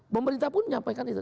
pemerintah pun menyampaikan itu